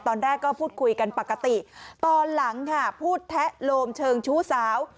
ตอนแรกก็พูดคุยกันปกติตอนหลังค่ะพูดแทะโลมเชิงชู้สาว